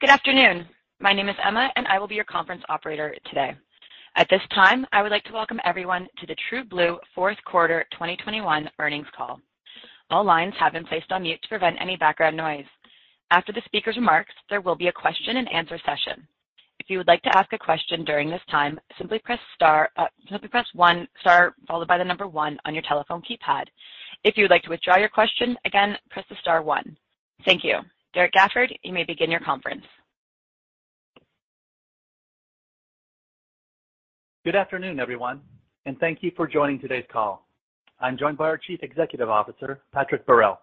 Good afternoon. My name is Emma, and I will be your conference operator today. At this time, I would like to welcome everyone to the TrueBlue Fourth Quarter 2021 earnings call. All lines have been placed on mute to prevent any background noise. After the speaker's remarks, there will be a question and answer session. If you would like to ask a question during this time, simply press one star followed by the number one on your telephone keypad. If you would like to withdraw your question, again, press the star one. Thank you. Derrek Gafford, you may begin your conference. Good afternoon, everyone, and thank you for joining today's call. I'm joined by our Chief Executive Officer, Patrick Beharelle.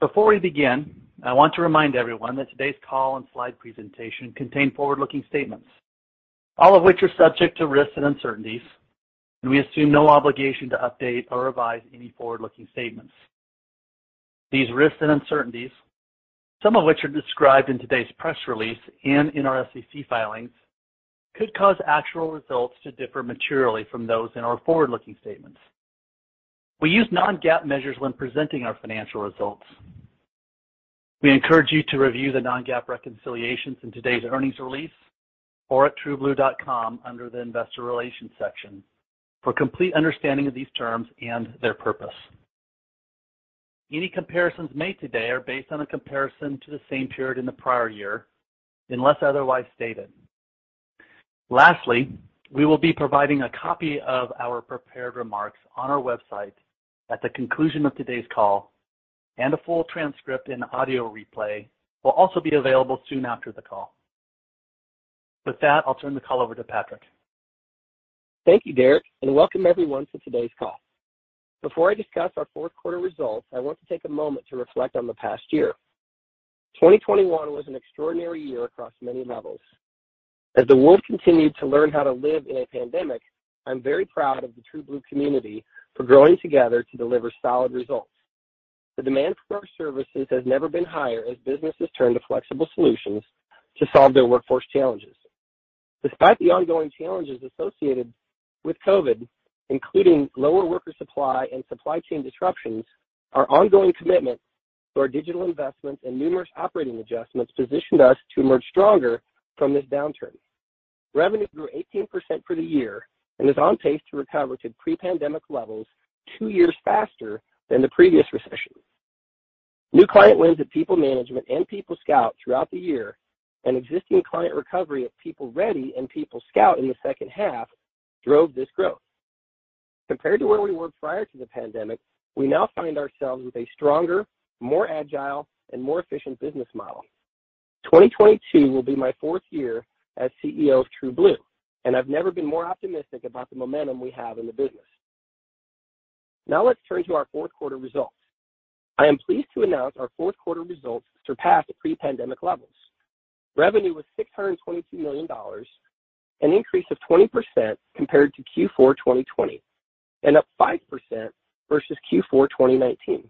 Before we begin, I want to remind everyone that today's call and slide presentation contain forward-looking statements, all of which are subject to risks and uncertainties, and we assume no obligation to update or revise any forward-looking statements. These risks and uncertainties, some of which are described in today's press release and in our SEC filings, could cause actual results to differ materially from those in our forward-looking statements. We use non-GAAP measures when presenting our financial results. We encourage you to review the non-GAAP reconciliations in today's earnings release or at trueblue.com under the investor relations section for complete understanding of these terms and their purpose. Any comparisons made today are based on a comparison to the same period in the prior year, unless otherwise stated. Lastly, we will be providing a copy of our prepared remarks on our website at the conclusion of today's call, and a full transcript and audio replay will also be available soon after the call. With that, I'll turn the call over to Patrick. Thank you, Derrek, and welcome everyone to today's call. Before I discuss our fourth quarter results, I want to take a moment to reflect on the past year. 2021 was an extraordinary year across many levels. As the world continued to learn how to live in a pandemic, I'm very proud of the TrueBlue community for growing together to deliver solid results. The demand for our services has never been higher as businesses turn to flexible solutions to solve their workforce challenges. Despite the ongoing challenges associated with COVID, including lower worker supply and supply chain disruptions, our ongoing commitment to our digital investments and numerous operating adjustments positioned us to emerge stronger from this downturn. Revenue grew 18% for the year and is on pace to recover to pre-pandemic levels two years faster than the previous recession. New client wins at PeopleManagement and PeopleScout throughout the year and existing client recovery at PeopleReady and PeopleScout in the second half drove this growth. Compared to where we were prior to the pandemic, we now find ourselves with a stronger, more agile, and more efficient business model. 2022 will be my fourth year as CEO of TrueBlue, and I've never been more optimistic about the momentum we have in the business. Now let's turn to our fourth quarter results. I am pleased to announce our fourth quarter results surpassed pre-pandemic levels. Revenue was $622 million, an increase of 20% compared to Q4 2020, and up 5% versus Q4 2019.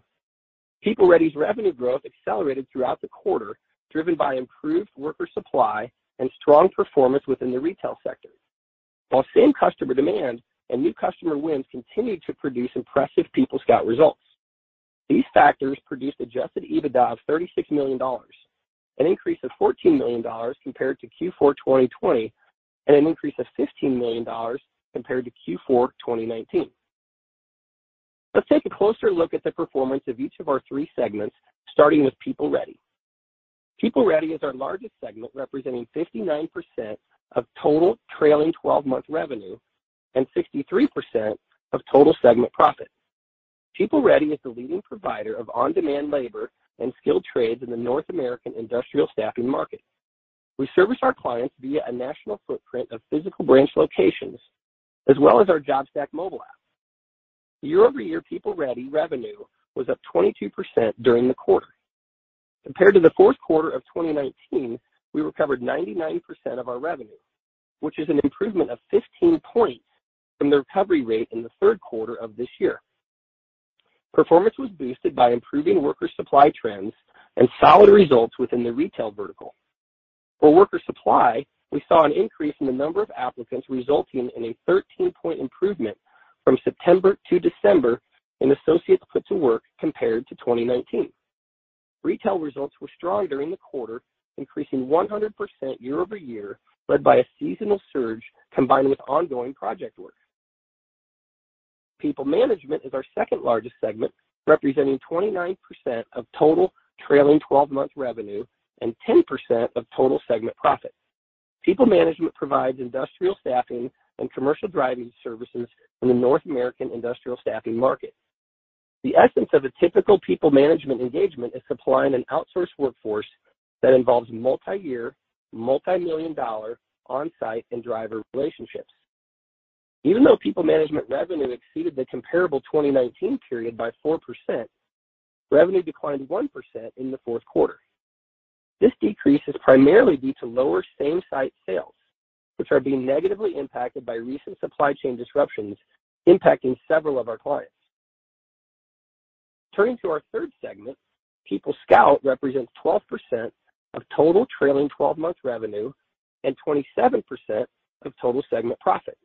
PeopleReady's revenue growth accelerated throughout the quarter, driven by improved worker supply and strong performance within the retail sector. While sustained customer demand and new customer wins continued to produce impressive PeopleScout results. These factors produced adjusted EBITDA of $36 million, an increase of $14 million compared to Q4 2020, and an increase of $15 million compared to Q4 2019. Let's take a closer look at the performance of each of our three segments, starting with PeopleReady. PeopleReady is our largest segment, representing 59% of total trailing 12-month revenue and 63% of total segment profit. PeopleReady is the leading provider of on-demand labor and skilled trades in the North American industrial staffing market. We service our clients via a national footprint of physical branch locations, as well as our JobStack mobile app. Year-over-year, PeopleReady revenue was up 22% during the quarter. Compared to the fourth quarter of 2019, we recovered 99% of our revenue, which is an improvement of 15 points from the recovery rate in the third quarter of this year. Performance was boosted by improving worker supply trends and solid results within the retail vertical. For worker supply, we saw an increase in the number of applicants, resulting in a 13-point improvement from September to December in associates put to work compared to 2019. Retail results were strong during the quarter, increasing 100% year-over-year, led by a seasonal surge combined with ongoing project work. PeopleManagement is our second-largest segment, representing 29% of total trailing 12-month revenue and 10% of total segment profit. PeopleManagement provides industrial staffing and commercial driving services in the North American industrial staffing market. The essence of a typical PeopleManagement engagement is supplying an outsourced workforce that involves multi-year, multi-million-dollar on-site and driver relationships. Even though PeopleManagement revenue exceeded the comparable 2019 period by 4%, revenue declined 1% in the fourth quarter. This decrease is primarily due to lower same-site sales, which are being negatively impacted by recent supply chain disruptions impacting several of our clients. Turning to our third segment, PeopleScout represents 12% of total trailing 12-month revenue and 27% of total segment profit.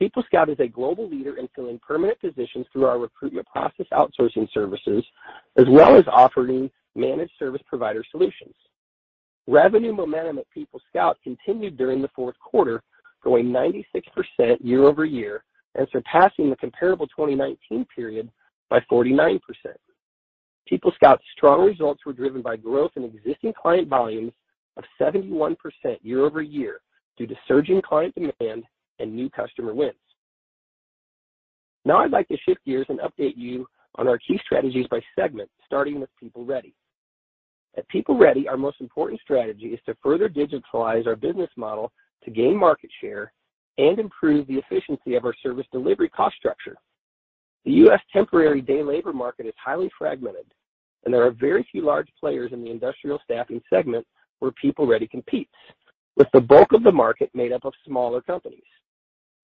PeopleScout is a global leader in filling permanent positions through our recruitment process outsourcing services, as well as offering managed service provider solutions. Revenue momentum at PeopleScout continued during the fourth quarter, growing 96% year-over-year and surpassing the comparable 2019 period by 49%. PeopleScout's strong results were driven by growth in existing client volumes of 71% year-over-year due to surging client demand and new customer wins. Now, I'd like to shift gears and update you on our key strategies by segment, starting with PeopleReady. At PeopleReady, our most important strategy is to further digitalize our business model to gain market share and improve the efficiency of our service delivery cost structure. The U.S. temporary day labor market is highly fragmented, and there are very few large players in the industrial staffing segment where PeopleReady competes, with the bulk of the market made up of smaller companies.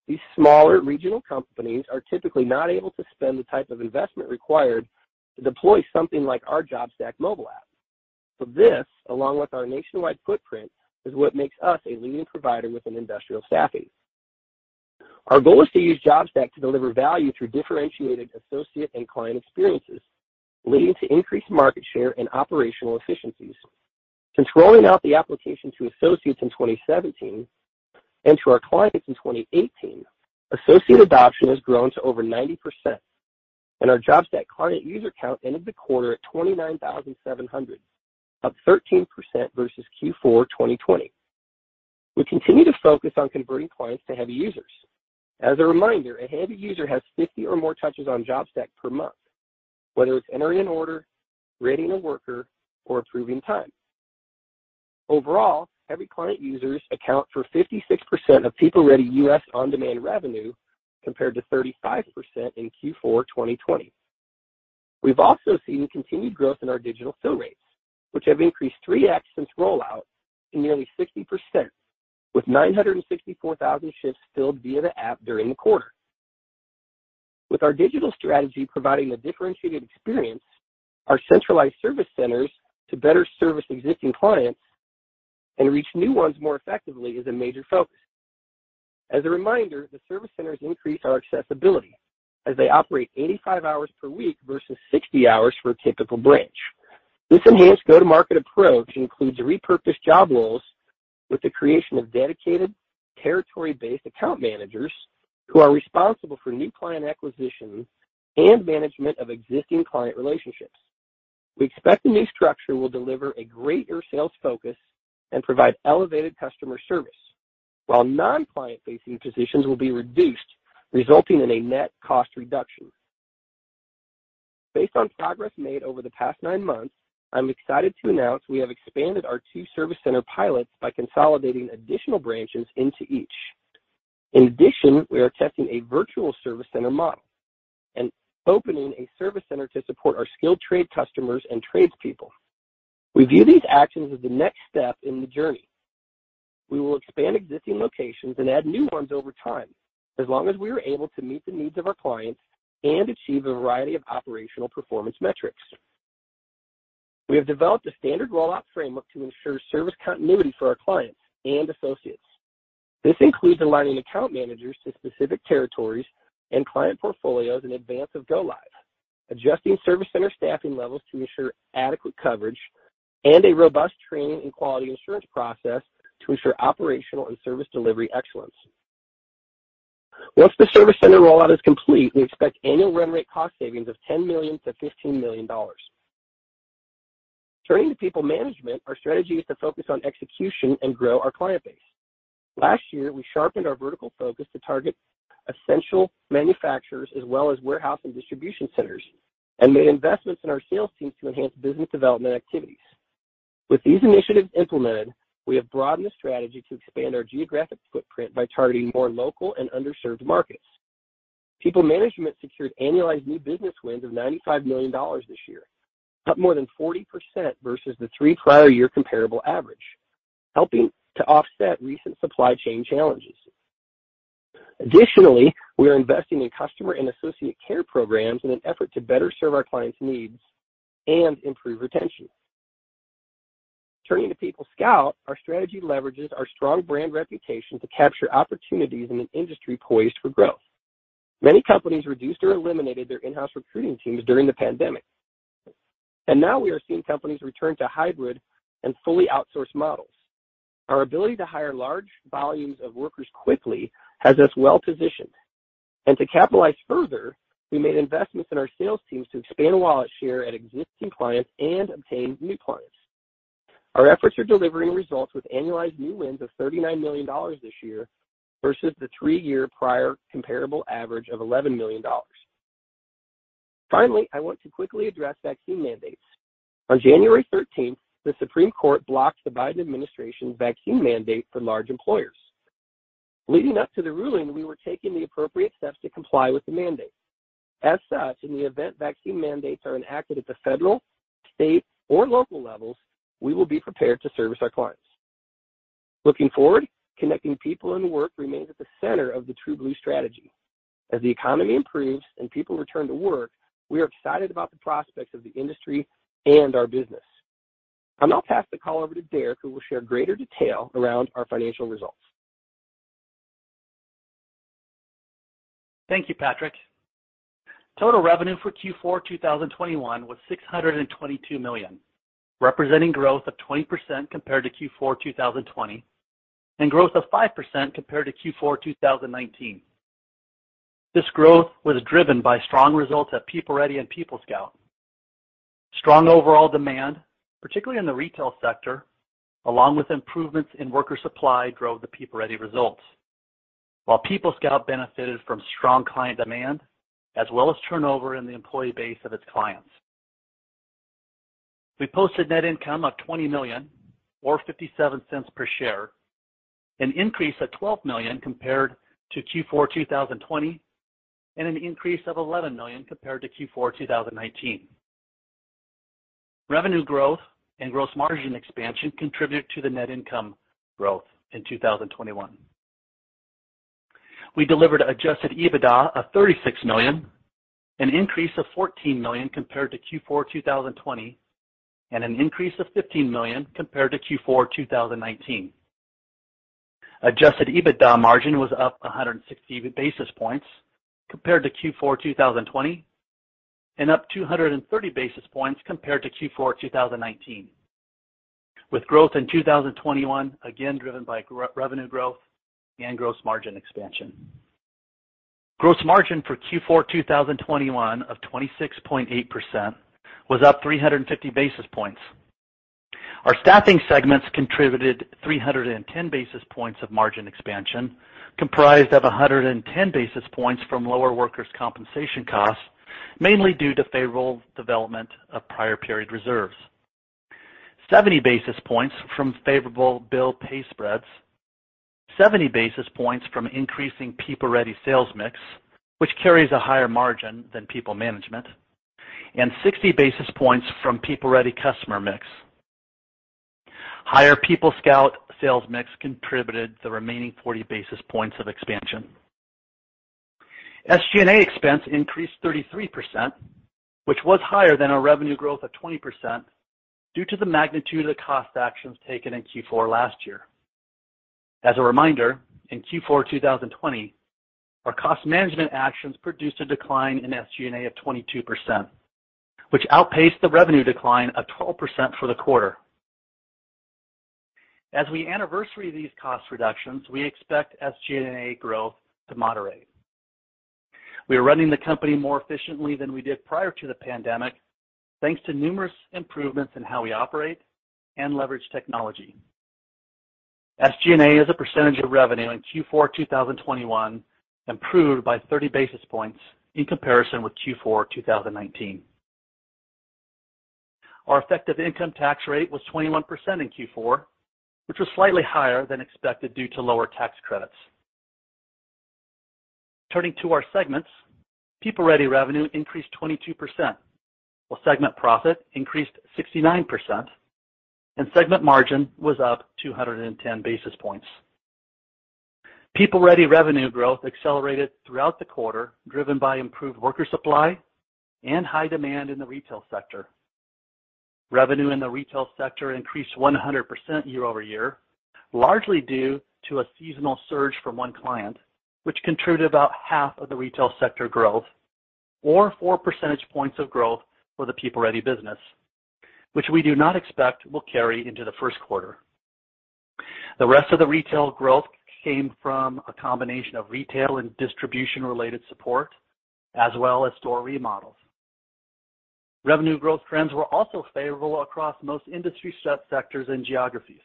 These smaller regional companies are typically not able to spend the type of investment required to deploy something like our JobStack mobile app. This, along with our nationwide footprint, is what makes us a leading provider within industrial staffing. Our goal is to use JobStack to deliver value through differentiated associate and client experiences, leading to increased market share and operational efficiencies. Since rolling out the application to associates in 2017 and to our clients in 2018, associate adoption has grown to over 90%, and our JobStack client user count ended the quarter at 29,700, up 13% versus Q4 2020. We continue to focus on converting clients to heavy users. As a reminder, a heavy user has 50 or more touches on JobStack per month, whether it's entering an order, rating a worker, or approving time. Overall, heavy client users account for 56% of PeopleReady U.S. on-demand revenue, compared to 35% in Q4 2020. We've also seen continued growth in our digital fill rates, which have increased 3x since rollout to nearly 60%, with 964,000 shifts filled via the app during the quarter. With our digital strategy providing a differentiated experience, our centralized service centers to better service existing clients and reach new ones more effectively is a major focus. As a reminder, the service centers increase our accessibility as they operate 85 hours per week versus 60 hours for a typical branch. This enhanced go-to-market approach includes repurposed job roles with the creation of dedicated territory-based account managers who are responsible for new client acquisition and management of existing client relationships. We expect the new structure will deliver a greater sales focus and provide elevated customer service, while non-client facing positions will be reduced, resulting in a net cost reduction. Based on progress made over the past nine months, I'm excited to announce we have expanded our two service center pilots by consolidating additional branches into each. In addition, we are testing a virtual service center model and opening a service center to support our skilled trade customers and tradespeople. We view these actions as the next step in the journey. We will expand existing locations and add new ones over time, as long as we are able to meet the needs of our clients and achieve a variety of operational performance metrics. We have developed a standard rollout framework to ensure service continuity for our clients and associates. This includes aligning account managers to specific territories and client portfolios in advance of go live, adjusting service center staffing levels to ensure adequate coverage, and a robust training and quality assurance process to ensure operational and service delivery excellence. Once the service center rollout is complete, we expect annual run-rate cost savings of $10 million-$15 million. Turning to PeopleManagement, our strategy is to focus on execution and grow our client base. Last year, we sharpened our vertical focus to target essential manufacturers as well as warehouse and distribution centers, and made investments in our sales team to enhance business development activities. With these initiatives implemented, we have broadened the strategy to expand our geographic footprint by targeting more local and underserved markets. PeopleManagement secured annualized new business wins of $95 million this year, up more than 40% versus the three prior year comparable average, helping to offset recent supply chain challenges. Additionally, we are investing in customer and associate care programs in an effort to better serve our clients' needs and improve retention. Turning to PeopleScout, our strategy leverages our strong brand reputation to capture opportunities in an industry poised for growth. Many companies reduced or eliminated their in-house recruiting teams during the pandemic, and now we are seeing companies return to hybrid and fully outsource models. Our ability to hire large volumes of workers quickly has us well positioned. To capitalize further, we made investments in our sales teams to expand wallet share at existing clients and obtain new clients. Our efforts are delivering results with annualized new wins of $39 million this year versus the three-year prior comparable average of $11 million. Finally, I want to quickly address vaccine mandates. On January 13th, the Supreme Court blocked the Biden administration's vaccine mandate for large employers. Leading up to the ruling, we were taking the appropriate steps to comply with the mandate. As such, in the event vaccine mandates are enacted at the federal, state, or local levels, we will be prepared to service our clients. Looking forward, connecting people into work remains at the center of the TrueBlue strategy. As the economy improves and people return to work, we are excited about the prospects of the industry and our business. I'll now pass the call over to Derrek, who will share greater detail around our financial results. Thank you, Patrick. Total revenue for Q4 2021 was $622 million, representing growth of 20% compared to Q4 2020, and growth of 5% compared to Q4 2019. This growth was driven by strong results at PeopleReady and PeopleScout. Strong overall demand, particularly in the retail sector, along with improvements in worker supply, drove the PeopleReady results. While PeopleScout benefited from strong client demand, as well as turnover in the employee base of its clients. We posted net income of $20 million or $0.57 per share, an increase of $12 million compared to Q4 2020, and an increase of $11 million compared to Q4 2019. Revenue growth and gross margin expansion contributed to the net income growth in 2021. We delivered adjusted EBITDA of $36 million, an increase of $14 million compared to Q4 2020, and an increase of $15 million compared to Q4 2019. Adjusted EBITDA margin was up 160 basis points compared to Q4 2020, and up 230 basis points compared to Q4 2019, with growth in 2021 again driven by revenue growth and gross margin expansion. Gross margin for Q4 2021 of 26.8% was up 350 basis points. Our staffing segments contributed 310 basis points of margin expansion, comprised of 110 basis points from lower workers' compensation costs, mainly due to favorable development of prior period reserves, 70 basis points from favorable bill/pay spreads. 70 basis points from increasing PeopleReady sales mix, which carries a higher margin than PeopleManagement, and 60 basis points from PeopleReady customer mix. Higher PeopleScout sales mix contributed the remaining 40 basis points of expansion. SG&A expense increased 33%, which was higher than our revenue growth of 20% due to the magnitude of the cost actions taken in Q4 last year. As a reminder, in Q4 2020, our cost management actions produced a decline in SG&A of 22%, which outpaced the revenue decline of 12% for the quarter. As we anniversary these cost reductions, we expect SG&A growth to moderate. We are running the company more efficiently than we did prior to the pandemic, thanks to numerous improvements in how we operate and leverage technology. SG&A as a percentage of revenue in Q4 2021 improved by 30 basis points in comparison with Q4 2019. Our effective income tax rate was 21% in Q4, which was slightly higher than expected due to lower tax credits. Turning to our segments, PeopleReady revenue increased 22%, while segment profit increased 69%, and segment margin was up 210 basis points. PeopleReady revenue growth accelerated throughout the quarter, driven by improved worker supply and high demand in the retail sector. Revenue in the retail sector increased 100% year-over-year, largely due to a seasonal surge from one client, which contributed about half of the retail sector growth or 4 percentage points of growth for the PeopleReady business, which we do not expect will carry into the first quarter. The rest of the retail growth came from a combination of retail and distribution-related support as well as store remodels. Revenue growth trends were also favorable across most industry set sectors and geographies.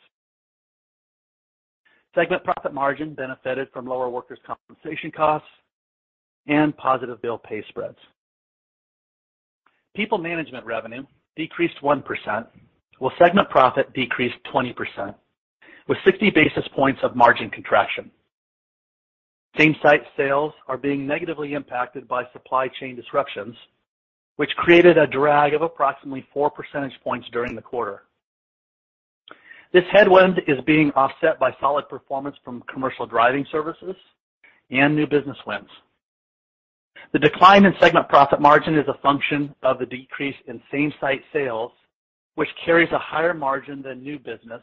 Segment profit margin benefited from lower workers' compensation costs and positive bill/pay spreads. PeopleManagement revenue decreased 1%, while segment profit decreased 20%, with 60 basis points of margin contraction. Same-site sales are being negatively impacted by supply chain disruptions, which created a drag of approximately 4 percentage points during the quarter. This headwind is being offset by solid performance from commercial driving services and new business wins. The decline in segment profit margin is a function of the decrease in same-site sales, which carries a higher margin than new business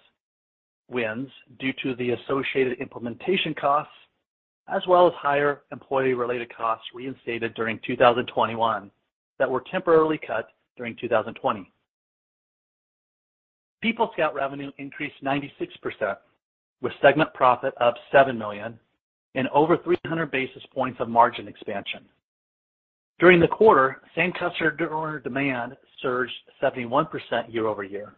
wins due to the associated implementation costs, as well as higher employee-related costs reinstated during 2021 that were temporarily cut during 2020. PeopleScout revenue increased 96%, with segment profit of $7 million and over 300 basis points of margin expansion. During the quarter, same customer demand surged 71% year-over-year.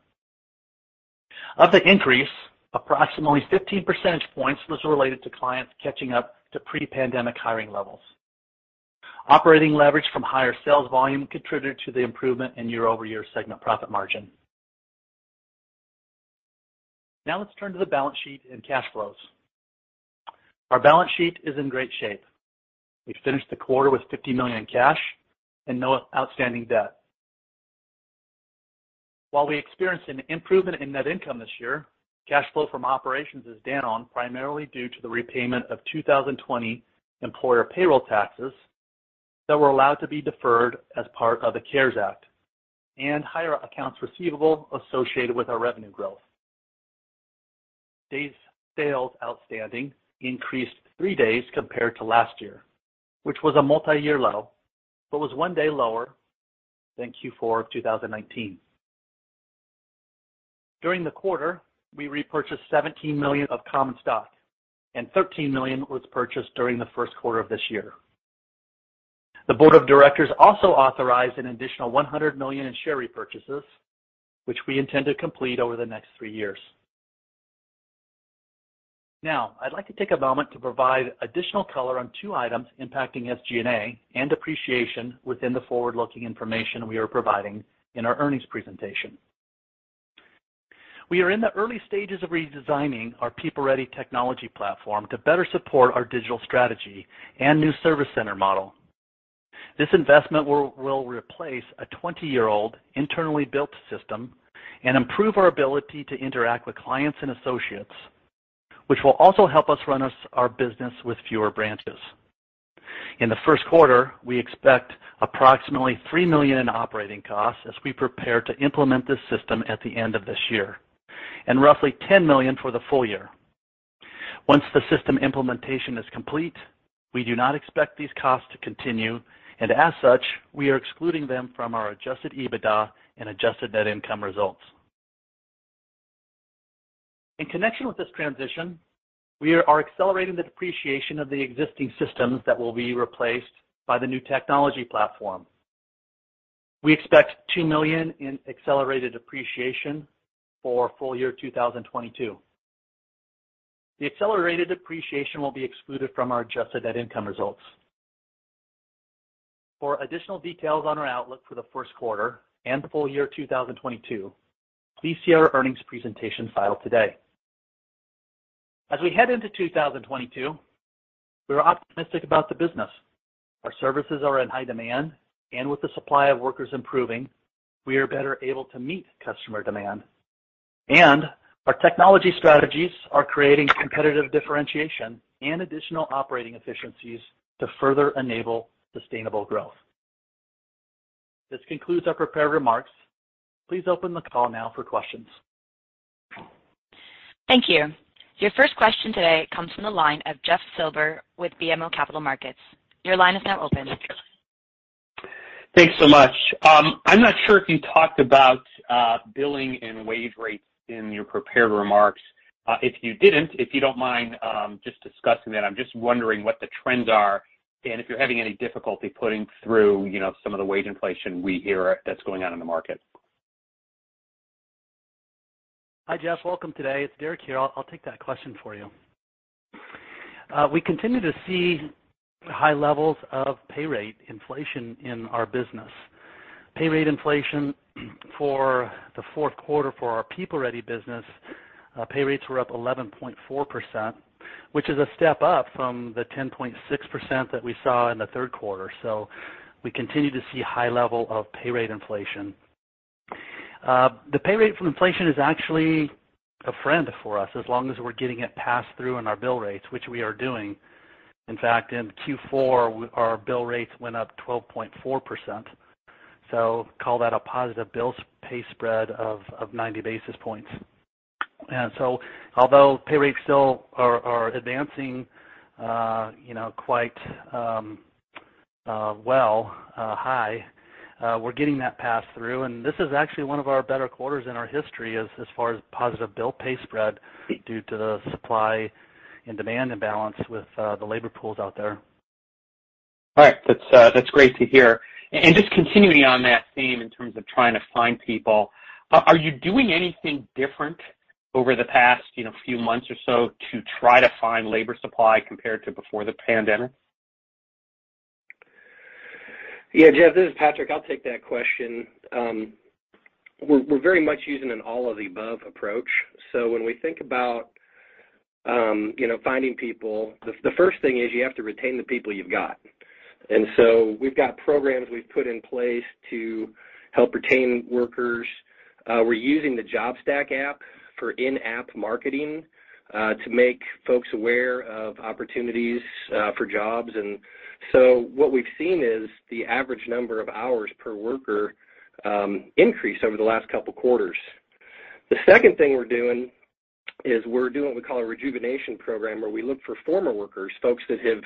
Of the increase, approximately 15 percentage points was related to clients catching up to pre-pandemic hiring levels. Operating leverage from higher sales volume contributed to the improvement in year-over-year segment profit margin. Now let's turn to the balance sheet and cash flows. Our balance sheet is in great shape. We finished the quarter with $50 million in cash and no outstanding debt. While we experienced an improvement in net income this year, cash flow from operations is down primarily due to the repayment of 2020 employer payroll taxes that were allowed to be deferred as part of the CARES Act, and higher accounts receivable associated with our revenue growth. Days sales outstanding increased three days compared to last year, which was a multi-year low, but was one day lower than Q4 of 2019. During the quarter, we repurchased $17 million of common stock, and $13 million was purchased during the first quarter of this year. The board of directors also authorized an additional $100 million in share repurchases, which we intend to complete over the next three years. Now, I'd like to take a moment to provide additional color on two items impacting SG&A and depreciation within the forward-looking information we are providing in our earnings presentation. We are in the early stages of redesigning our PeopleReady technology platform to better support our digital strategy and new service center model. This investment will replace a 20-year-old internally built system and improve our ability to interact with clients and associates, which will also help us run our business with fewer branches. In the first quarter, we expect approximately $3 million in operating costs as we prepare to implement this system at the end of this year, and roughly $10 million for the full-year. Once the system implementation is complete, we do not expect these costs to continue, and as such, we are excluding them from our adjusted EBITDA and adjusted net income results. In connection with this transition, we are accelerating the depreciation of the existing systems that will be replaced by the new technology platform. We expect $2 million in accelerated depreciation for full-year 2022. The accelerated depreciation will be excluded from our adjusted net income results. For additional details on our outlook for the first quarter and full-year 2022, please see our earnings presentation filed today. As we head into 2022, we are optimistic about the business. Our services are in high demand, and with the supply of workers improving, we are better able to meet customer demand. Our technology strategies are creating competitive differentiation and additional operating efficiencies to further enable sustainable growth. This concludes our prepared remarks. Please open the call now for questions. Thank you. Your first question today comes from the line of Jeff Silber with BMO Capital Markets. Your line is now open. Thanks so much. I'm not sure if you talked about billing and wage rates in your prepared remarks. If you didn't, if you don't mind, just discussing that. I'm just wondering what the trends are and if you're having any difficulty putting through, you know, some of the wage inflation we hear that's going on in the market. Hi, Jeff. Welcome today. It's Derek here. I'll take that question for you. We continue to see high levels of pay rate inflation in our business. Pay rate inflation for the fourth quarter for our PeopleReady business, pay rates were up 11.4%, which is a step up from the 10.6% that we saw in the third quarter. We continue to see high level of pay rate inflation. The pay rate inflation is actually a friend for us as long as we're getting it passed through in our bill rates, which we are doing. In fact, in Q4, our bill rates went up 12.4%. Call that a positive bill pay spread of 90 basis points. Although pay rates still are advancing, you know, quite well high, we're getting that pass through. This is actually one of our better quarters in our history as far as positive bill pay spread due to the supply and demand imbalance with the labor pools out there. All right. That's great to hear. Just continuing on that theme in terms of trying to find people, are you doing anything different over the past, you know, few months or so to try to find labor supply compared to before the pandemic? Yeah, Jeff, this is Patrick. I'll take that question. We're very much using an all-of-the-above approach. When we think about, you know, finding people, the first thing is you have to retain the people you've got. We've got programs we've put in place to help retain workers. We're using the JobStack app for in-app marketing to make folks aware of opportunities for jobs. What we've seen is the average number of hours per worker increase over the last couple quarters. The second thing we're doing is what we call a rejuvenation program, where we look for former workers, folks that have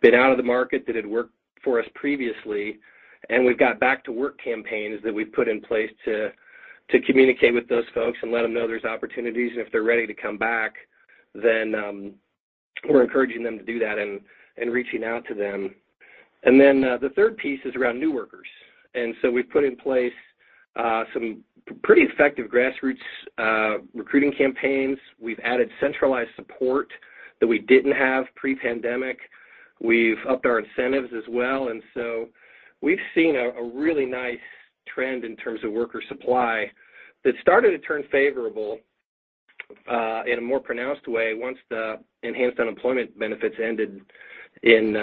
been out of the market that had worked for us previously. We've got back to work campaigns that we've put in place to communicate with those folks and let them know there's opportunities. If they're ready to come back, then we're encouraging them to do that and reaching out to them. The third piece is around new workers. We've put in place some pretty effective grassroots recruiting campaigns. We've added centralized support that we didn't have pre-pandemic. We've upped our incentives as well. We've seen a really nice trend in terms of worker supply that started to turn favorable in a more pronounced way once the enhanced unemployment benefits ended in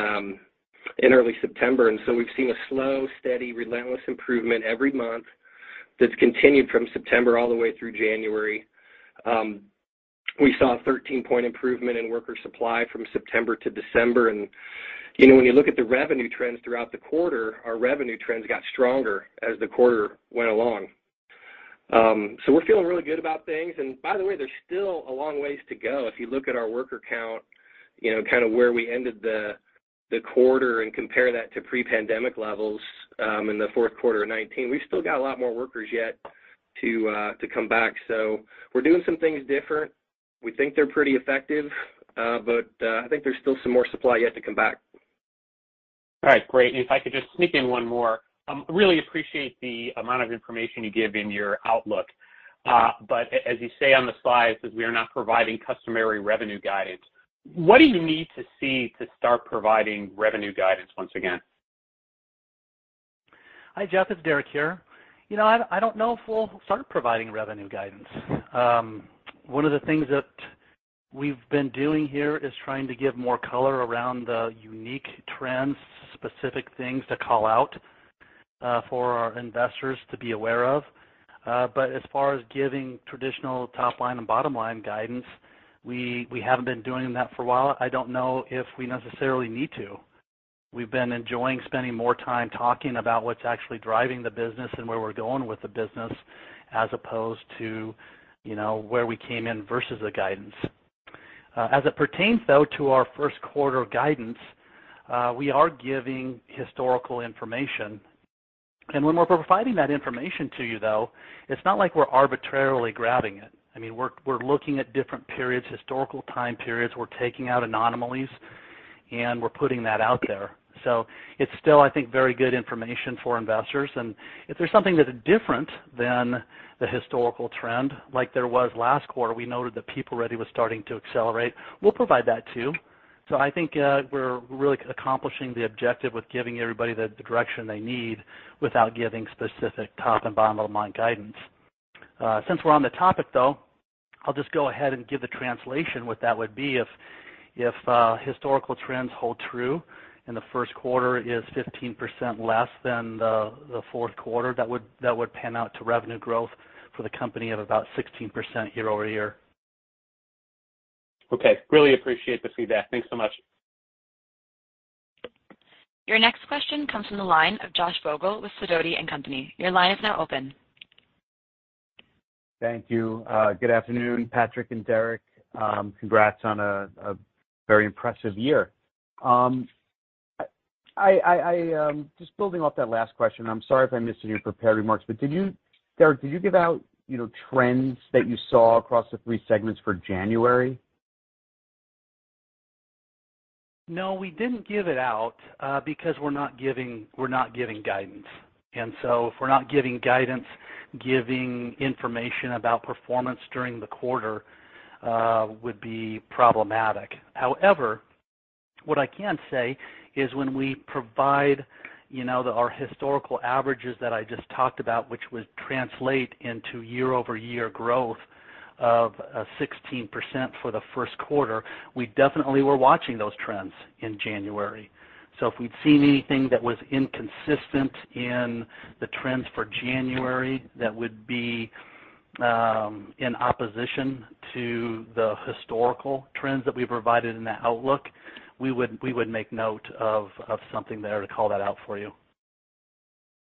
early September. We've seen a slow, steady, relentless improvement every month that's continued from September all the way through January. We saw a 13-point improvement in worker supply from September to December. You know, when you look at the revenue trends throughout the quarter, our revenue trends got stronger as the quarter went along. We're feeling really good about things. By the way, there's still a long ways to go. If you look at our worker count, you know, kind of where we ended the quarter and compare that to pre-pandemic levels, in the fourth quarter of 2019, we still got a lot more workers yet to come back. We're doing some things different. We think they're pretty effective, but I think there's still some more supply yet to come back. All right, great. If I could just sneak in one more. I really appreciate the amount of information you give in your outlook. As you say on the slides, that we are not providing customary revenue guidance. What do you need to see to start providing revenue guidance once again? Hi, Jeff. It's Derrek here. You know, I don't know if we'll start providing revenue guidance. One of the things that we've been doing here is trying to give more color around the unique trends, specific things to call out, for our investors to be aware of. As far as giving traditional top line and bottom line guidance, we haven't been doing that for a while. I don't know if we necessarily need to. We've been enjoying spending more time talking about what's actually driving the business and where we're going with the business, as opposed to, you know, where we came in versus the guidance. As it pertains, though, to our first quarter guidance, we are giving historical information. When we're providing that information to you, though, it's not like we're arbitrarily grabbing it. I mean, we're looking at different periods, historical time periods. We're taking out anomalies, and we're putting that out there. It's still, I think, very good information for investors. If there's something that is different than the historical trend, like there was last quarter, we noted that PeopleReady was starting to accelerate, we'll provide that too. I think, we're really accomplishing the objective with giving everybody the direction they need without giving specific top and bottom line guidance. Since we're on the topic, though, I'll just go ahead and give the translation, what that would be. If historical trends hold true and the first quarter is 15% less than the fourth quarter, that would pan out to revenue growth for the company of about 16% year-over-year. Okay. Really appreciate the feedback. Thanks so much. Your next question comes from the line of Josh Vogel with Sidoti & Company. Your line is now open. Thank you. Good afternoon, Patrick and Derek. Congrats on a very impressive year. I just building off that last question, I'm sorry if I missed it in your prepared remarks, but did you, Derek, give out, you know, trends that you saw across the three segments for January? No, we didn't give it out, because we're not giving guidance. If we're not giving guidance, giving information about performance during the quarter would be problematic. However, what I can say is, when we provide, you know, our historical averages that I just talked about, which would translate into year-over-year growth of 16% for the first quarter, we definitely were watching those trends in January. If we'd seen anything that was inconsistent in the trends for January that would be in opposition to the historical trends that we provided in the outlook, we would make note of something there to call that out for you.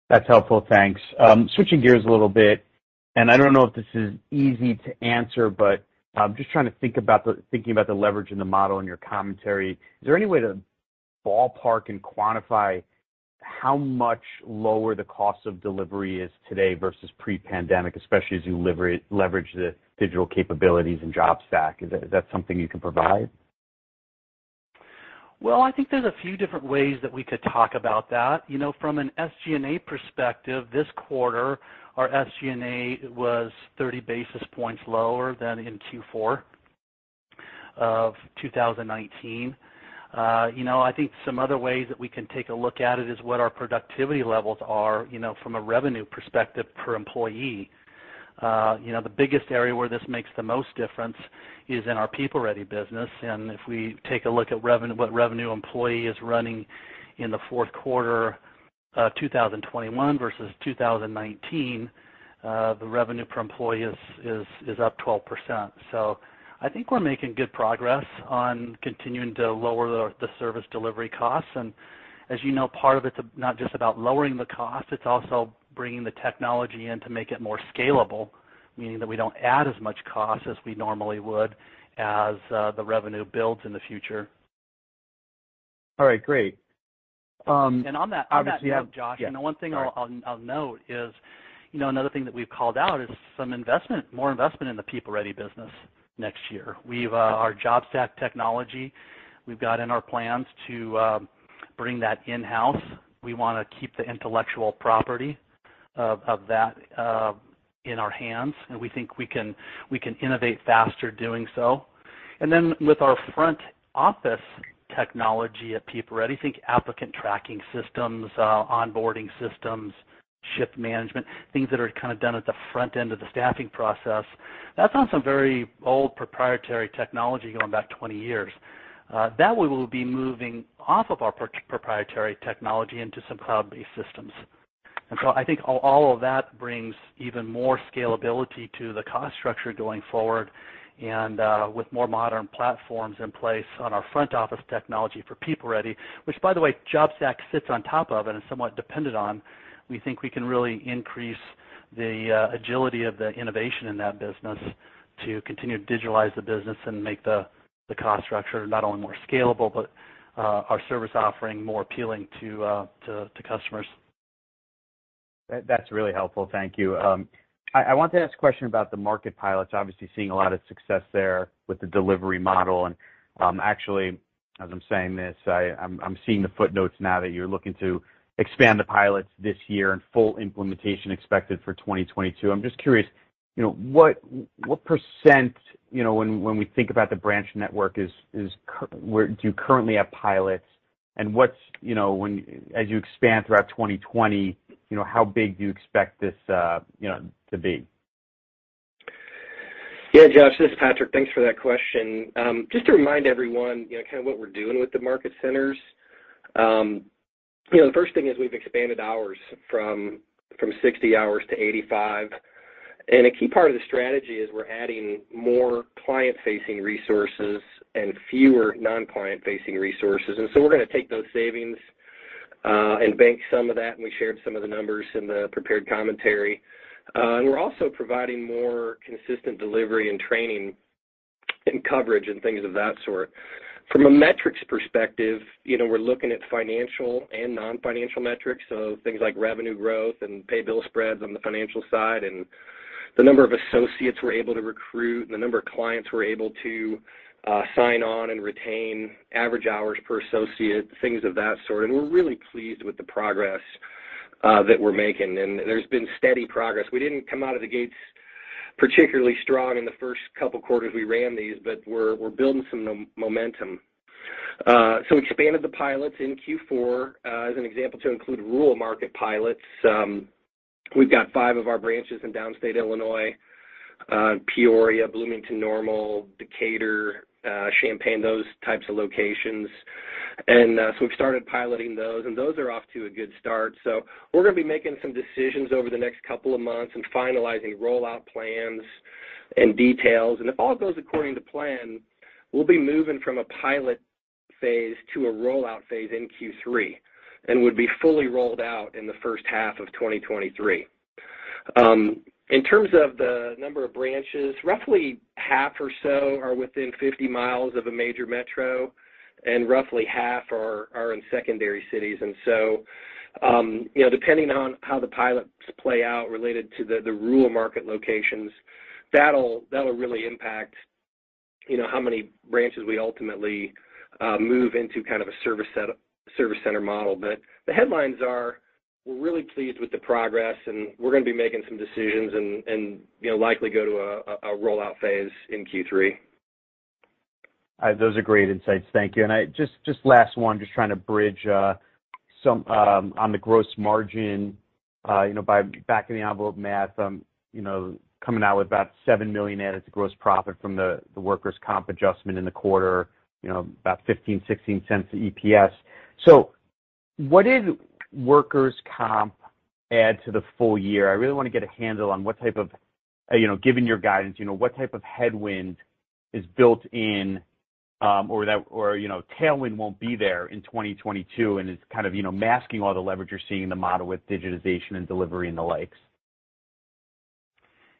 That's helpful. Thanks. Switching gears a little bit, and I don't know if this is easy to answer, but I'm just trying to think about thinking about the leverage in the model in your commentary. Is there any way to ballpark and quantify how much lower the cost of delivery is today versus pre-pandemic, especially as you leverage the digital capabilities in JobStack? Is that something you can provide? Well, I think there's a few different ways that we could talk about that. You know, from an SG&A perspective, this quarter, our SG&A was 30 basis points lower than in Q4 of 2019. You know, I think some other ways that we can take a look at it is what our productivity levels are, you know, from a revenue perspective per employee. You know, the biggest area where this makes the most difference is in our PeopleReady business. If we take a look at revenue, what revenue per employee is running in the fourth quarter, 2021 versus 2019, the revenue per employee is up 12%. I think we're making good progress on continuing to lower the service delivery costs. As you know, part of it's not just about lowering the cost, it's also bringing the technology in to make it more scalable, meaning that we don't add as much cost as we normally would as the revenue builds in the future. All right, great. on that note, Josh Obviously, yeah. You know, one thing I'll note is, you know, another thing that we've called out is some investment, more investment in the PeopleReady business next year. Our JobStack technology, we've got in our plans to bring that in-house. We wanna keep the intellectual property of that in our hands, and we think we can innovate faster doing so. Then with our front office technology at PeopleReady, think applicant tracking systems, onboarding systems, shift management, things that are kind of done at the front end of the staffing process. That's on some very old proprietary technology going back 20 years that we will be moving off of our proprietary technology into some cloud-based systems. I think all of that brings even more scalability to the cost structure going forward. With more modern platforms in place on our front office technology for PeopleReady, which by the way, JobStack sits on top of and is somewhat dependent on. We think we can really increase the agility of the innovation in that business to continue to digitalize the business and make the cost structure not only more scalable, but our service offering more appealing to customers. That's really helpful. Thank you. I want to ask a question about the market pilots. Obviously, seeing a lot of success there with the delivery model. Actually, as I'm saying this, I'm seeing the footnotes now that you're looking to expand the pilots this year and full implementation expected for 2022. I'm just curious, you know, what percent, you know, when we think about the branch network is where do you currently have pilots and what's, you know, when as you expand throughout 2020, you know, how big do you expect this, you know, to be? Yeah, Josh, this is Patrick. Thanks for that question. Just to remind everyone, you know, kind of what we're doing with the market centers. You know, the first thing is we've expanded hours from 60 hours to 85 hours. A key part of the strategy is we're adding more client-facing resources and fewer non-client facing resources. We're going to take those savings and bank some of that, and we shared some of the numbers in the prepared commentary. We're also providing more consistent delivery and training and coverage and things of that sort. From a metrics perspective, you know, we're looking at financial and non-financial metrics. Things like revenue growth and pay bill spreads on the financial side, and the number of associates we're able to recruit, and the number of clients we're able to sign on and retain, average hours per associate, things of that sort. We're really pleased with the progress that we're making. There's been steady progress. We didn't come out of the gates particularly strong in the first couple quarters we ran these, but we're building some momentum. We expanded the pilots in Q4, as an example, to include rural market pilots. We've got five of our branches in downstate Illinois, Peoria, Bloomington-Normal, Decatur, Champaign, those types of locations. We've started piloting those, and those are off to a good start. We're going to be making some decisions over the next couple of months and finalizing rollout plans and details. If all goes according to plan, we'll be moving from a pilot phase to a rollout phase in Q3, and would be fully rolled out in the first half of 2023. In terms of the number of branches, roughly half or so are within 50 mi of a major metro, and roughly half are in secondary cities. You know, depending on how the pilots play out related to the rural market locations, that'll really impact, you know, how many branches we ultimately move into kind of a service center model. The headlines are, we're really pleased with the progress, and we're going to be making some decisions and, you know, likely go to a rollout phase in Q3. All right. Those are great insights. Thank you. I just last one, trying to bridge some on the gross margin, you know, by back of the envelope math, you know, coming out with about $7 million added to gross profit from the workers' comp adjustment in the quarter, you know, about $0.15, $0.16 to EPS. What did workers' comp add to the full-year? I really want to get a handle on what type of, you know, given your guidance, you know, what type of headwind is built in, or that or, you know, tailwind won't be there in 2022, and it's kind of, you know, masking all the leverage you're seeing in the model with digitization and delivery and the likes.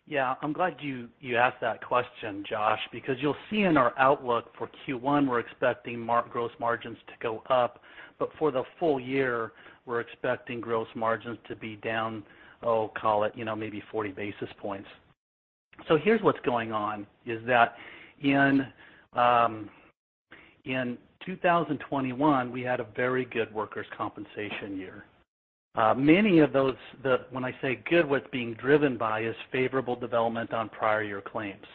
Yeah. I'm glad you asked that question, Josh, because you'll see in our outlook for Q1, we're expecting gross margins to go up. For the full-year, we're expecting gross margins to be down, oh, call it, you know, maybe 40 basis points. Here's what's going on, is that in 2021, we had a very good workers' compensation year. Many of those, when I say good, what's being driven by is favorable development on prior year claims.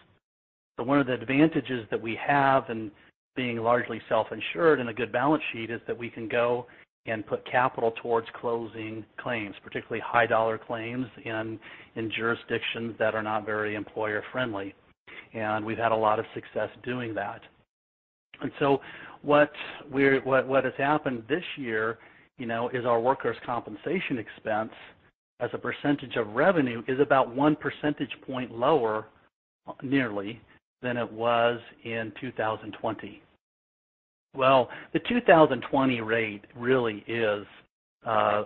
One of the advantages that we have in being largely self-insured and a good balance sheet is that we can go and put capital towards closing claims, particularly high dollar claims in jurisdictions that are not very employer friendly. We've had a lot of success doing that. What has happened this year, you know, is our workers' compensation expense as a percentage of revenue is about one percentage point lower nearly than it was in 2020. Well, the 2020 rate really is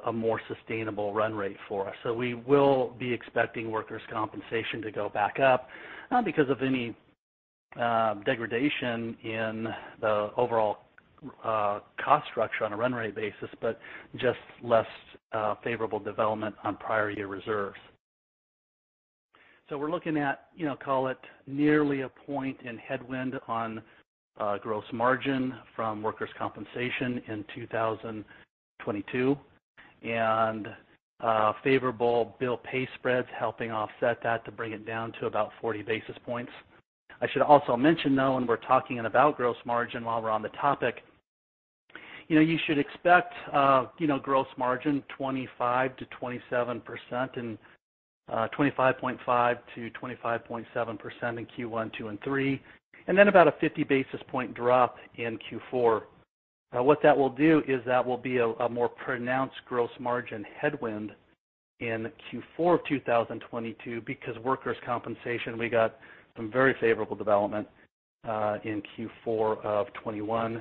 a more sustainable run rate for us. We will be expecting workers' compensation to go back up, not because of any degradation in the overall cost structure on a run rate basis, but just less favorable development on prior year reserves. We're looking at, you know, call it nearly a point in headwind on gross margin from workers' compensation in 2022, and favorable bill pay spreads helping offset that to bring it down to about 40 basis points. I should also mention, though, when we're talking about gross margin while we're on the topic, you know, you should expect, you know, gross margin 25%-27% and, 25.5%-25.7% in Q1, Q2, and Q3, and then about a 50 basis point drop in Q4. Now what that will do is that will be a more pronounced gross margin headwind in Q4 of 2022 because workers' compensation, we got some very favorable development, in Q4 of 2021.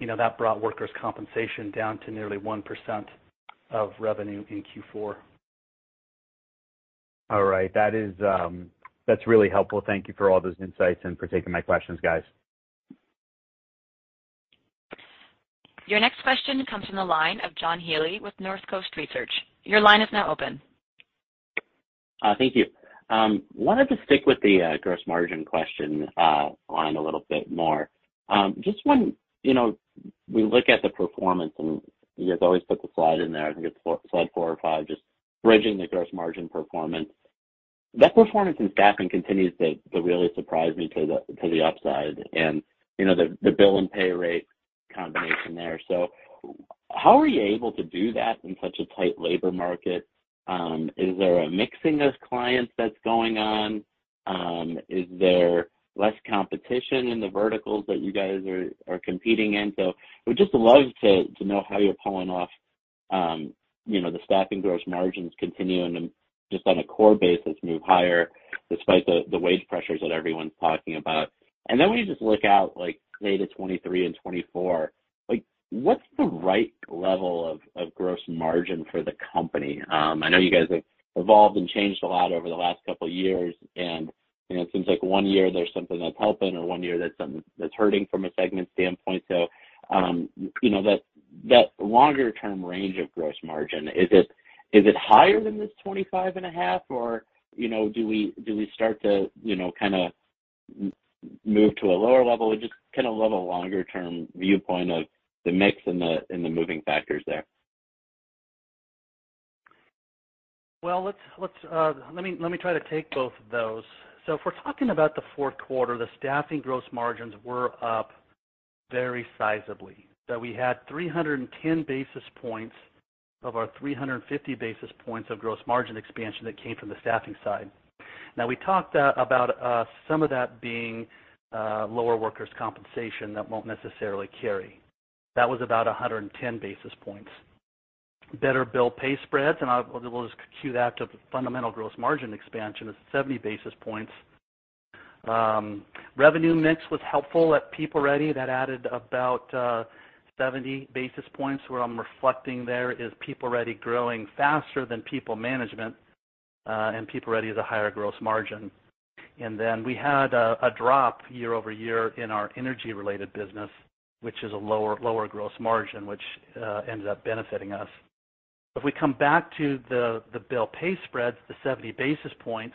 You know, that brought workers' compensation down to nearly 1% of revenue in Q4. All right. That is, that's really helpful. Thank you for all those insights and for taking my questions, guys. Your next question comes from the line of John Healy with Northcoast Research. Your line is now open. Thank you. Wanted to stick with the gross margin question on a little bit more. Just when, you know, we look at the performance, and you guys always put the slide in there, I think it's slide 4 or 5, just bridging the gross margin performance. That performance in staffing continues to really surprise me to the upside and, you know, the bill and pay rate combination there. So how are you able to do that in such a tight labor market? Is there a mixing of clients that's going on? Is there less competition in the verticals that you guys are competing in? Would just love to know how you're pulling off, you know, the staffing gross margins continuing and just on a core basis move higher despite the wage pressures that everyone's talking about. When you just look out like say to 2023 and 2024, like, what's the right level of gross margin for the company? I know you guys have evolved and changed a lot over the last couple years, and, you know, it seems like one year there's something that's helping or one year there's something that's hurting from a segment standpoint. You know, that longer term range of gross margin, is it higher than this 25.5%? Or, you know, do we start to, you know, kinda move to a lower level? I'd just kinda love a longer-term viewpoint of the mix and the moving factors there. Well, let's, let me try to take both of those. If we're talking about the fourth quarter, the staffing gross margins were up very sizably. We had 310 basis points of our 350 basis points of gross margin expansion that came from the staffing side. Now we talked about some of that being lower workers' compensation that won't necessarily carry. That was about 110 basis points. Better bill pay spreads, and we'll just skew that to the fundamental gross margin expansion of 70 basis points. Revenue mix was helpful at PeopleReady. That added about 70 basis points, where I'm reflecting there is PeopleReady growing faster than PeopleManagement, and PeopleReady has a higher gross margin. We had a drop year-over-year in our energy-related business, which is a lower gross margin, which ended up benefiting us. If we come back to the bill pay spreads, the 70 basis points,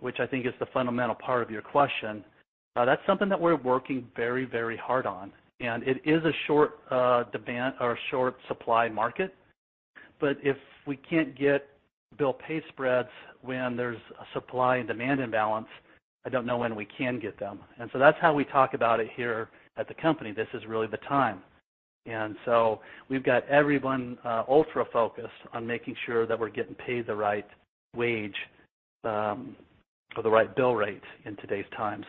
which I think is the fundamental part of your question, that's something that we're working very hard on, and it is a short demand or short supply market. If we can't get bill pay spreads when there's a supply and demand imbalance, I don't know when we can get them. That's how we talk about it here at the company. This is really the time. We've got everyone ultra focused on making sure that we're getting paid the right wage or the right bill rates in today's times.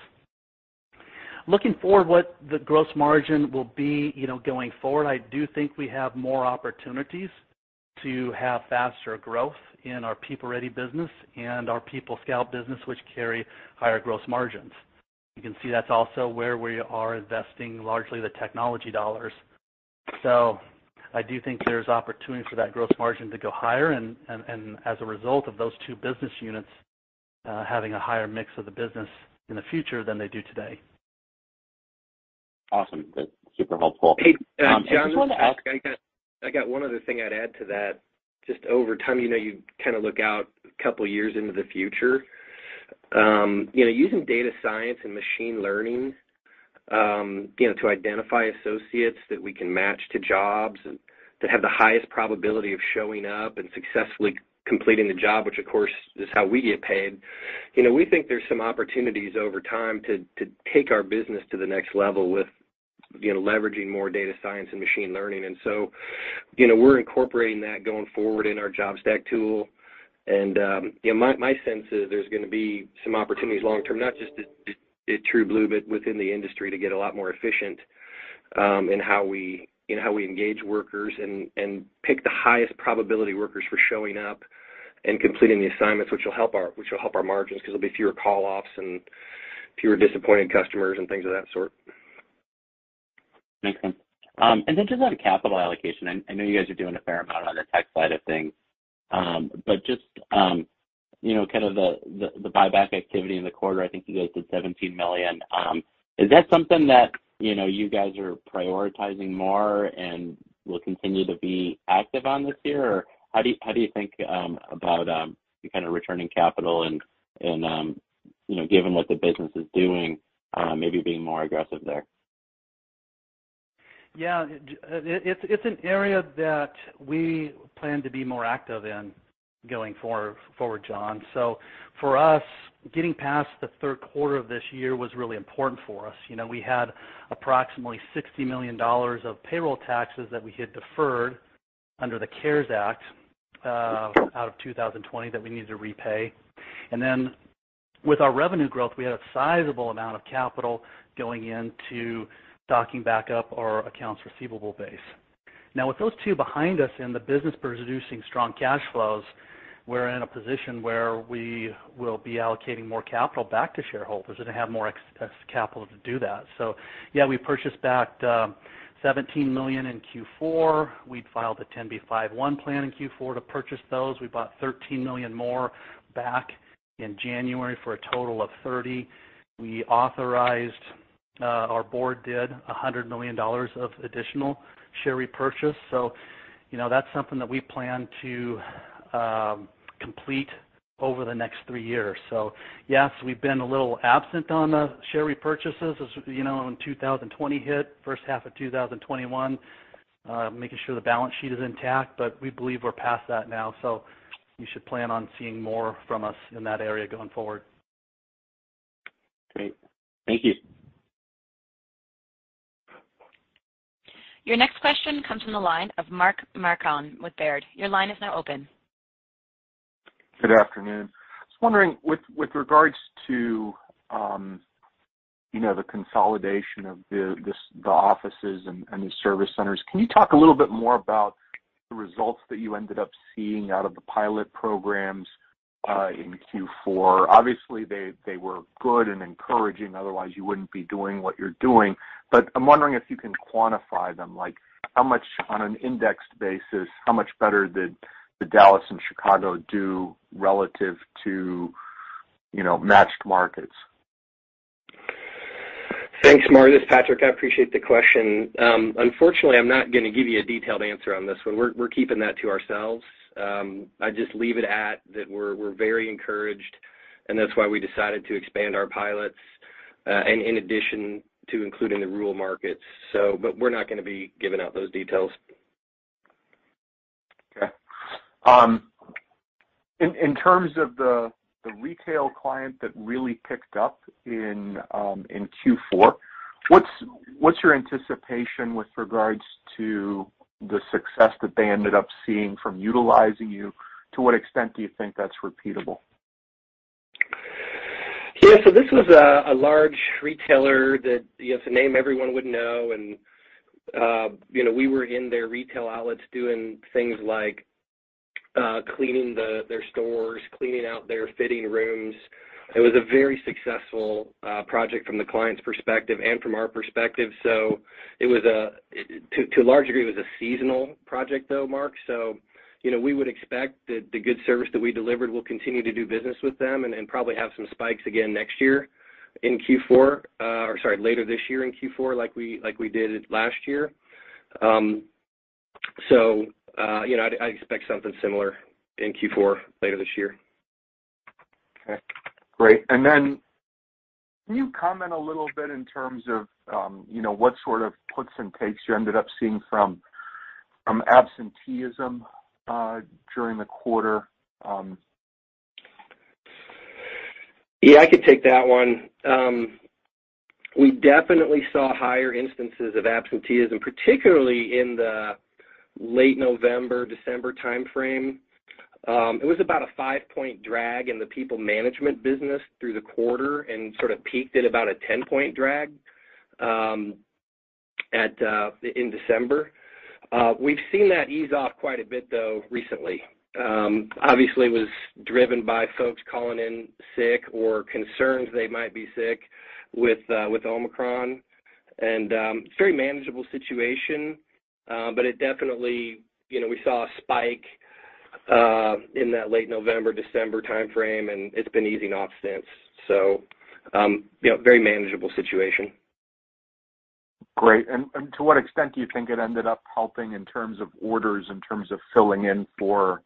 Looking forward what the gross margin will be, you know, going forward, I do think we have more opportunities to have faster growth in our PeopleReady business and our PeopleScout business, which carry higher gross margins. You can see that's also where we are investing largely the technology dollars. I do think there's opportunity for that gross margin to go higher and as a result of those two business units having a higher mix of the business in the future than they do today. Awesome. That's super helpful. Hey, John[I got]. If you wanna ask- I got one other thing I'd add to that. Just over time, you know, you kinda look out a couple years into the future. You know, using data science and machine learning, you know, to identify associates that we can match to jobs and that have the highest probability of showing up and successfully completing the job, which of course is how we get paid. You know, we think there's some opportunities over time to take our business to the next level with, you know, leveraging more data science and machine learning. You know, we're incorporating that going forward in our JobStack tool. You know, my sense is there's gonna be some opportunities long-term, not just at TrueBlue, but within the industry to get a lot more efficient in how we engage workers and pick the highest probability workers for showing up and completing the assignments, which will help our margins 'cause there'll be fewer call-offs and fewer disappointed customers and things of that sort. Makes sense. Just on capital allocation, I know you guys are doing a fair amount on the tech side of things. Just you know, kind of the buyback activity in the quarter, I think you guys did $17 million. Is that something that you know, you guys are prioritizing more and will continue to be active on this year? How do you think about kind of returning capital and you know, given what the business is doing, maybe being more aggressive there? Yeah. It's an area that we plan to be more active in going forward, John. For us, getting past the third quarter of this year was really important for us. You know, we had approximately $60 million of payroll taxes that we had deferred under the CARES Act out of 2020 that we needed to repay. With our revenue growth, we had a sizable amount of capital going into stocking back up our accounts receivable base. Now, with those two behind us and the business producing strong cash flows, we're in a position where we will be allocating more capital back to shareholders. We're gonna have more excess capital to do that. Yeah, we purchased back $17 million in Q4. We'd filed a 10b5-1 plan in Q4 to purchase those. We bought $13 million more back in January for a total of $30 million. We authorized, our board did $100 million of additional share repurchase. You know, that's something that we plan to complete over the next three years. Yes, we've been a little absent on the share repurchases, as, you know, when 2020 hit, first half of 2021, making sure the balance sheet is intact. We believe we're past that now, so you should plan on seeing more from us in that area going forward. Great. Thank you. Your next question comes from the line of Mark Marcon with Baird. Your line is now open. Good afternoon. Just wondering with regards to, you know, the consolidation of the offices and the service centers, can you talk a little bit more about the results that you ended up seeing out of the pilot programs in Q4? Obviously, they were good and encouraging, otherwise you wouldn't be doing what you're doing. I'm wondering if you can quantify them, like how much on an indexed basis, how much better did the Dallas and Chicago do relative to, you know, matched markets? Thanks, Mark. This is Patrick. I appreciate the question. Unfortunately, I'm not gonna give you a detailed answer on this one. We're keeping that to ourselves. I just leave it at that we're very encouraged, and that's why we decided to expand our pilots, and in addition to including the rural markets. We're not gonna be giving out those details. Okay. In terms of the retail client that really picked up in Q4, what's your anticipation with regards to the success that they ended up seeing from utilizing you? To what extent do you think that's repeatable? This was a large retailer that, you know, it's a name everyone would know. We were in their retail outlets doing things like cleaning their stores, cleaning out their fitting rooms. It was a very successful project from the client's perspective and from our perspective. To a large degree, it was a seasonal project though, Mark. We would expect that the good service that we delivered, we'll continue to do business with them and probably have some spikes again next year in Q4, or sorry, later this year in Q4 like we did last year. I expect something similar in Q4 later this year. Okay, great. Can you comment a little bit in terms of, you know, what sort of puts and takes you ended up seeing from absenteeism during the quarter? Yeah, I could take that one. We definitely saw higher instances of absenteeism, particularly in the late November, December timeframe. It was about a five-point drag in the PeopleManagement business through the quarter and sort of peaked at about a 10-point drag in December. We've seen that ease off quite a bit, though, recently. Obviously, it was driven by folks calling in sick or concerns they might be sick with Omicron. It's a very manageable situation, but it definitely, you know, we saw a spike in that late November, December timeframe, and it's been easing off since. You know, very manageable situation. Great. To what extent do you think it ended up helping in terms of orders, in terms of filling in for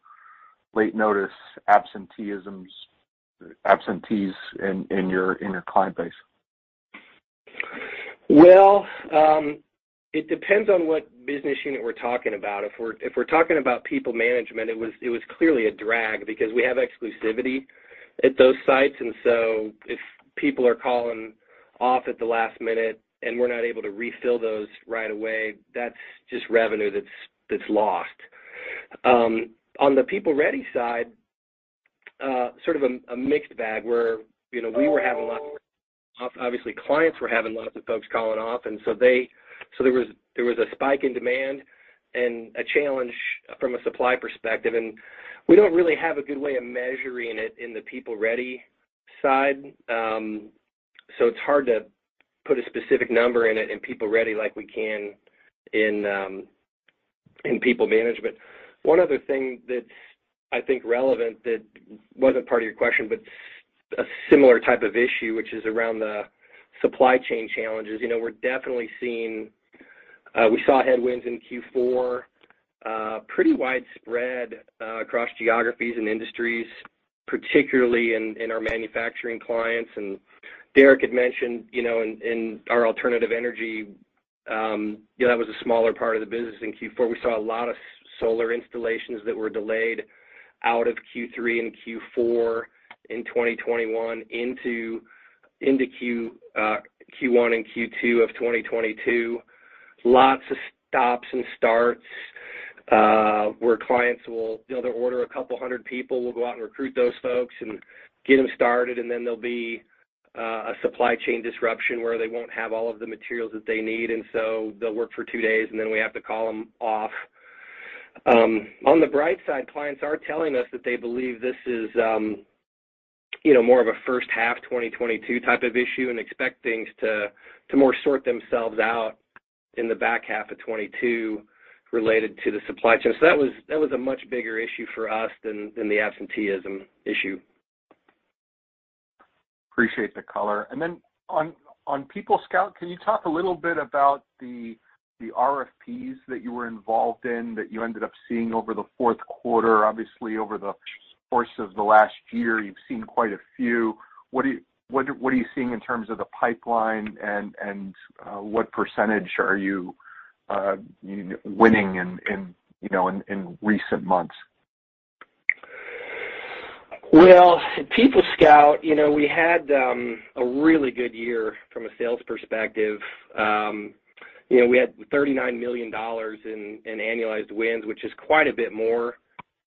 late notice, absenteeisms, absentees in your client base? Well, it depends on what business unit we're talking about. If we're talking about PeopleManagement, it was clearly a drag because we have exclusivity at those sites, and so if people are calling off at the last minute and we're not able to refill those right away, that's just revenue that's lost. On the PeopleReady side, sort of a mixed bag where, you know, we were having lots of. Obviously, clients were having lots of folks calling off, and so there was a spike in demand and a challenge from a supply perspective, and we don't really have a good way of measuring it in the PeopleReady side. It's hard to put a specific number in it, in PeopleReady like we can in PeopleManagement. One other thing that's, I think relevant that wasn't part of your question, but a similar type of issue, which is around the supply chain challenges. You know, we're definitely seeing, we saw headwinds in Q4, pretty widespread, across geographies and industries, particularly in our manufacturing clients. Derrek had mentioned, you know, in our alternative energy, you know, that was a smaller part of the business in Q4. We saw a lot of solar installations that were delayed out of Q3 and Q4 in 2021 into Q1 and Q2 of 2022. Lots of stops and starts, where clients will, you know, they'll order a couple hundred people, we'll go out and recruit those folks and get them started, and then there'll be a supply chain disruption where they won't have all of the materials that they need, and so they'll work for two days, and then we have to call them off. On the bright side, clients are telling us that they believe this is, you know, more of a first half 2022 type of issue and expect things to more sort themselves out in the back half of 2022 related to the supply chain. That was a much bigger issue for us than the absenteeism issue. Appreciate the color. Then on PeopleScout, can you talk a little bit about the RFPs that you were involved in that you ended up seeing over the fourth quarter? Obviously, over the course of the last year, you've seen quite a few. What are you seeing in terms of the pipeline and what percentage are you you know winning in you know in recent months? Well, PeopleScout, you know, we had a really good year from a sales perspective. You know, we had $39 million in annualized wins, which is quite a bit more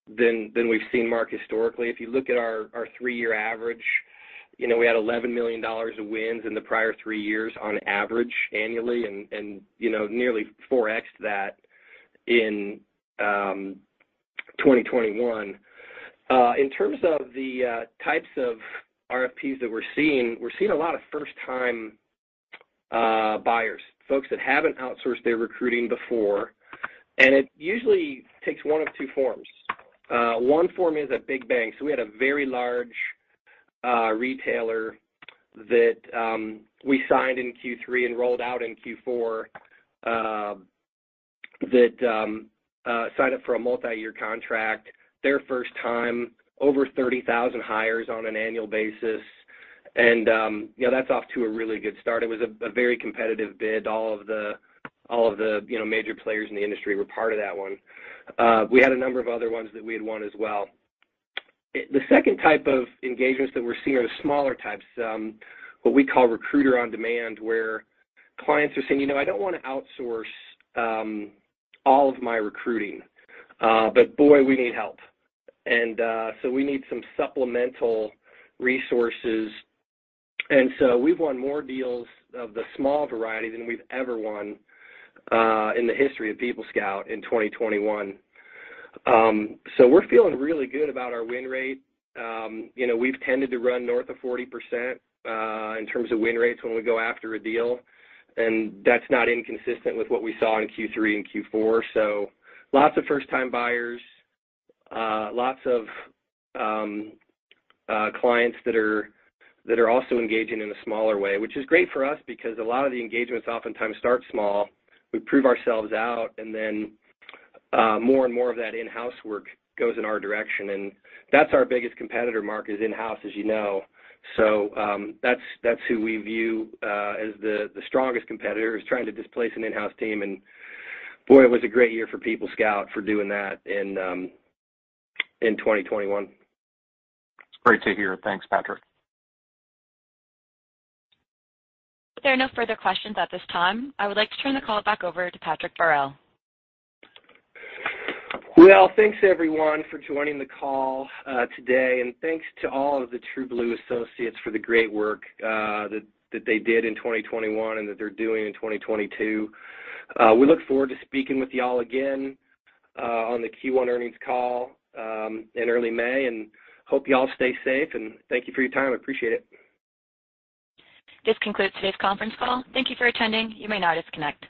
than we've seen, Mark, historically. If you look at our three-year average, you know, we had $11 million of wins in the prior three years on average annually and, you know, nearly 4x that in 2021. In terms of the types of RFPs that we're seeing, we're seeing a lot of first-time buyers, folks that haven't outsourced their recruiting before. It usually takes one of two forms. One form is a big bang. We had a very large retailer that we signed in Q3 and rolled out in Q4 that signed up for a multi-year contract, their first time, over 30,000 hires on an annual basis. You know, that's off to a really good start. It was a very competitive bid. All of the major players in the industry were part of that one. We had a number of other ones that we had won as well. The second type of engagements that we're seeing are smaller types, what we call Recruiter On-Demand, where clients are saying, "You know, I don't wanna outsource all of my recruiting, but boy, we need help. We need some supplemental resources." We've won more deals of the small variety than we've ever won in the history of PeopleScout in 2021. We're feeling really good about our win rate. You know, we've tended to run north of 40% in terms of win rates when we go after a deal, and that's not inconsistent with what we saw in Q3 and Q4. Lots of first-time buyers, lots of clients that are also engaging in a smaller way, which is great for us because a lot of the engagements oftentimes start small. We prove ourselves out, and then more and more of that in-house work goes in our direction. That's our biggest competitor, Mark, is in-house, as you know. That's who we view as the strongest competitor trying to displace an in-house team. Boy, it was a great year for PeopleScout for doing that in 2021. It's great to hear. Thanks, Patrick. There are no further questions at this time. I would like to turn the call back over to Patrick Beharelle. Well, thanks everyone for joining the call today, and thanks to all of the TrueBlue associates for the great work that they did in 2021 and that they're doing in 2022. We look forward to speaking with you all again on the Q1 earnings call in early May. Hope you all stay safe, and thank you for your time. I appreciate it. This concludes today's conference call. Thank you for attending. You may now disconnect.